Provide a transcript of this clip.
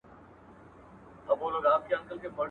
د کمبلي پر يوه سر غم وي، پر بل سر ئې ښادي.